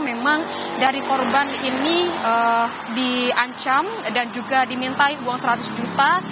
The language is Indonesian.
memang dari korban ini diancam dan juga dimintai uang seratus juta